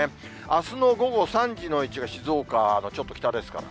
あすの午後３時の位置が静岡のちょっと北ですから。